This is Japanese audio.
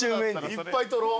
いっぱい撮ろう。